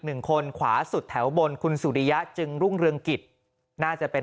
หนึ่งคนขวาสุดแถวบนคุณสุริยะจึงรุ่งเรืองกิจน่าจะเป็น